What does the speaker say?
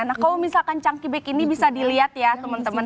nah kalau misalkan chunkie bag ini bisa dilihat ya temen temen